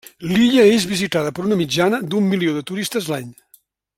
L'illa és visitada per una mitjana d'un milió de turistes l'any.